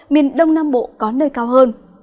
miền đông nam bộ có nơi cao hơn